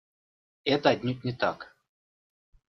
Это отнюдь не так!